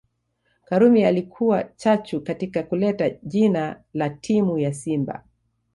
Karume alikuwa chachu katika kuleta jina la timu ya simba